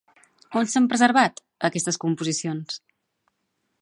On s'han preservat, aquestes composicions?